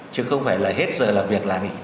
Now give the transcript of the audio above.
chứ không phải là hết giờ làm việc là nghỉ